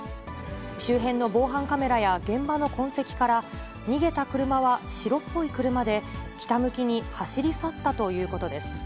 周辺の防犯カメラや現場の痕跡から、逃げた車は白っぽい車で、北向きに走り去ったということです。